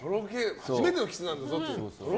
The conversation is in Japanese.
初めてのキスなんだぞと。